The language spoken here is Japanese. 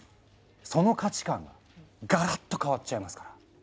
その価値観がガラッと変わっちゃいますから。